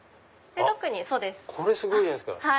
あっこれすごいじゃないですか。